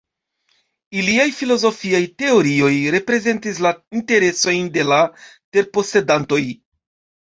Iliaj filozofiaj teorioj reprezentis la interesojn de la terposedantoj.